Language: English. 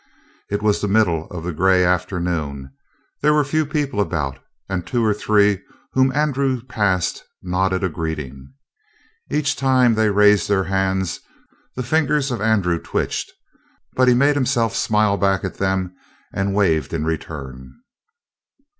It was the middle of the gray afternoon; there were few people about, and the two or three whom Andrew passed nodded a greeting. Each time they raised their hands the fingers of Andrew twitched, but he made himself smile back at them and waved in return.